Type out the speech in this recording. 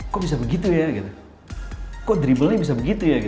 kok bisa begitu ya kok dribblenya bisa begitu ya